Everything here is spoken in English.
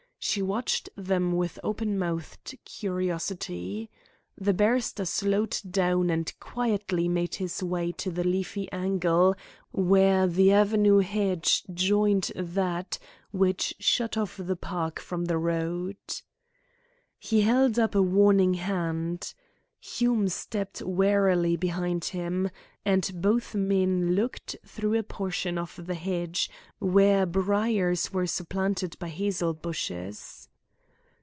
She watched them with open mouthed curiosity. The barrister slowed down and quietly made his way to the leafy angle where the avenue hedge joined that which shut off the park from the road. He held up a warning hand. Hume stepped warily behind him, and both men looked through a portion of the hedge where briars were supplanted by hazel bushes.